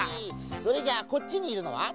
それじゃあこっちにいるのは？